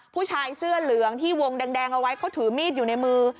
ผู้ชายเสื้อเหลืองที่วงแดงเอาไว้เขาถือมีดอยู่ในมือ